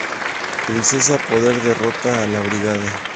Princesa Poder derrota a la Brigada.